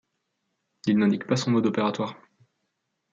Il n'indique pas son mode opératoire.